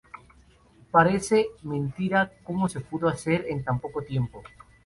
Parece mentira como se pudo hacer en tan poco tiempo.